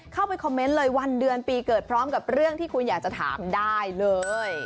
เข้าไปคอมเมนต์เลยวันเดือนปีเกิดพร้อมกับเรื่องที่คุณอยากจะถามได้เลย